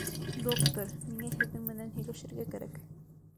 — Доктор, миңә һеҙҙең менән һөйләшергә кәрәк.